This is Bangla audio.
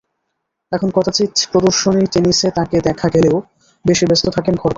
এখন কদাচিৎ প্রদর্শনী টেনিসে তাঁকে দেখা গেলেও বেশি ব্যস্ত থাকেন ঘরকন্নাতেই।